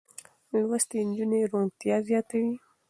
لوستې نجونې روڼتيا زياتوي.